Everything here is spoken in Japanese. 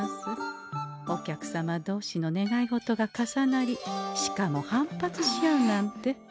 お客様同士の願い事が重なりしかも反発し合うなんて。